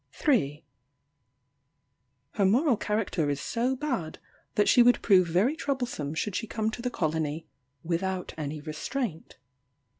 3. Her moral character is so bad, that she would prove very troublesome should she come to the colony "without any restraint."